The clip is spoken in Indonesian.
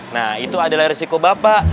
nah itu adalah risiko bapak